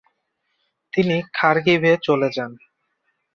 তিনি খারকিভে চলে যান।